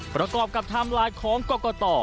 ประกอบกับไทม์ไลน์ของกรกต